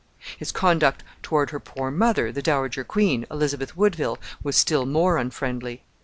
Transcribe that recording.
His conduct toward her poor mother, the dowager queen, Elizabeth Woodville, was still more unfriendly.